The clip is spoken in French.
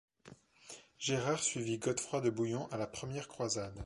Gérard suivit Godefroid de Bouillon à la première Croisade.